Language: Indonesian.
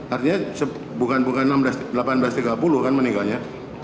artinya bukan bukan delapan belas tiga puluh kan meninggalnya